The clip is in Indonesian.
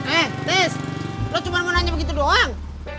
eh tes lo cuma mau nanya begitu doang